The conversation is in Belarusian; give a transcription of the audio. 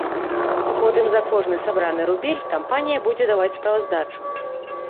Потым за кожны сабраны рубель кампанія будзе даваць справаздачу.